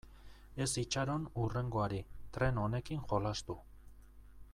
Ez itxaron hurrengoari, tren honekin jolastu.